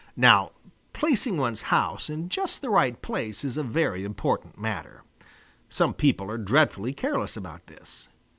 Now placing one's house in just the right place is a very important matter. Some people are dreadfully careless about this.